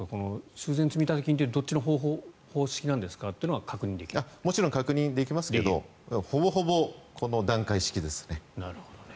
修繕積立金ってどっちの方式なんですか？ってもちろん確認できますけどほぼほぼこの段階式ですね。